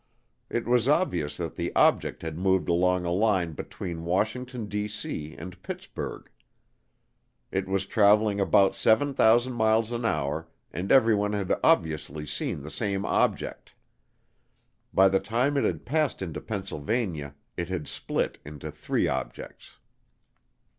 It was obvious that the object had moved along a line between Washington, D.C., and Pittsburgh. It was traveling about 7000 miles an hour and everyone had obviously seen the same object. By the time it had passed into Pennsylvania it had split into three objects.